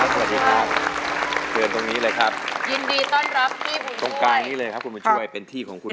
สวัสดีครับคุณบุญช่วยสวัสดีครับ